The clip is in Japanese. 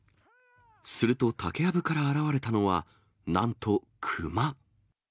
すると竹やぶから現れたのは、なんと熊。